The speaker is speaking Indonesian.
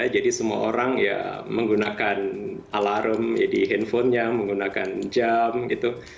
jadi semua orang ya menggunakan alarm di handphonenya menggunakan jam gitu